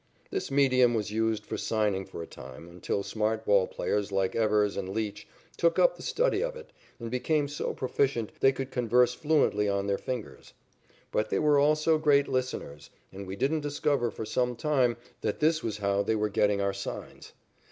This medium was used for signing for a time, until smart ball players, like Evers and Leach, took up the study of it and became so proficient they could converse fluently on their fingers. But they were also great "listeners," and we didn't discover for some time that this was how they were getting our signs.